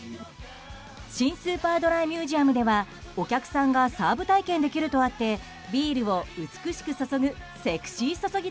新スーパードライミュージアムではお客さんがサーブ体験できるとあってビールを美しく注ぐセクシー注ぎ